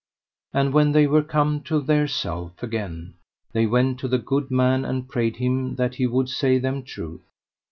And when they were come to theirself again they went to the good man and prayed him that he would say them truth.